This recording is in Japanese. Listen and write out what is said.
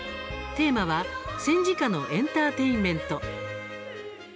テーマは戦時下のエンターテインメント。